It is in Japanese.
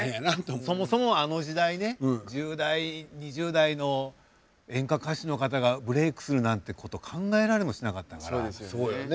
そもそもあの時代ね１０代２０代の演歌歌手の方がブレークするなんてこと考えられもしなかったから。